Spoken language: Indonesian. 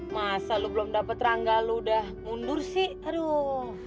masa lu belum dapat rangga lu udah mundur sih aduh